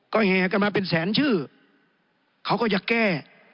ก็แห่กันมาเป็นแสนชื่อเขาก็จะแก้